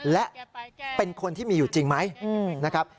และเป็นคนที่มีอยู่จริงไหมนะครับ